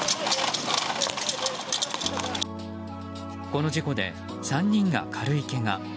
この事故で３人が軽いけが。